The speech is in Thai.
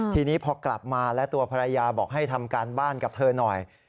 ทีนี้พอกลับมาและตัวภรรยาบอกให้ทำการบ้านกับเธอหน่อย